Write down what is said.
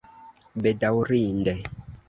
bedaurinde